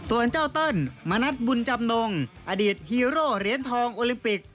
ส่วนเจ้าเติ้ลมณัฐบุญจำนงอดีตฮีโร่เหรียญทองโอลิมปิก